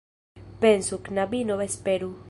Pensu, knabino, esperu!